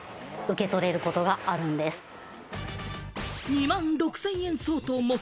２万６０００円相当も？